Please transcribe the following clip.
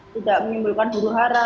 tidak menyimpulkan huru hara